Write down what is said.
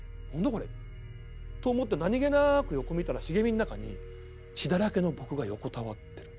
これと思って何げなく横見たら茂みの中に血だらけの僕が横たわってるんです。